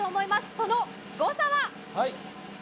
その誤差は？